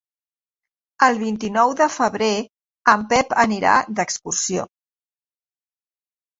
El vint-i-nou de febrer en Pep anirà d'excursió.